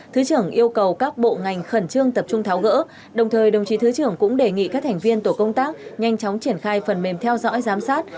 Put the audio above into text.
thứ trưởng yêu cầu các bộ ngành khẩn trương tập trung tháo gỡ đồng thời đồng chí thứ trưởng cũng đề nghị các thành viên tổ công tác nhanh chóng triển khai phần mềm theo dõi giám sát